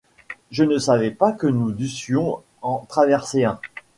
Je ne savais pas que nous dussions en traverser un.